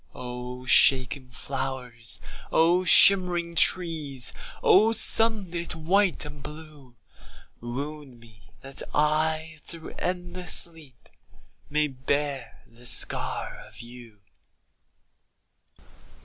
O shaken flowers, O shimmering trees, O sunlit white and blue, Wound me, that I, through endless sleep, May bear the scar of you.